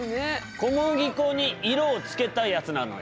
小麦粉に色をつけたやつなのよ。